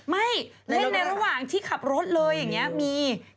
ไม่เล่นในระหว่างที่ขับรถเลยอย่างนี้มี